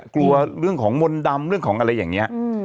กลัวเรื่องของมนต์ดำเรื่องของอะไรอย่างนี้